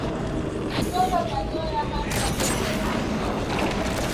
Kutoka manyoya hasa kwenye mkia